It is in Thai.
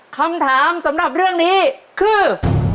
คำถามสำหรับเรื่องนี้คือ